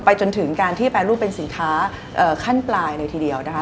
จนถึงการที่แปรรูปเป็นสินค้าขั้นปลายเลยทีเดียวนะคะ